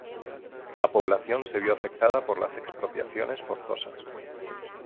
La población se vio afectada por las expropiaciones forzosas.